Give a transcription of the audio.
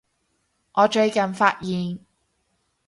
我最近發現